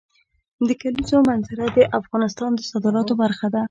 د کلیزو منظره د افغانستان د صادراتو برخه ده.